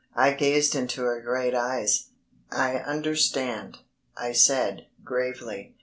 I gazed into her great eyes. "I understand," I said, gravely.